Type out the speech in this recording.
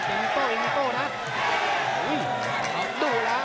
อันนี้เป็นมิโต้มิโต้นะ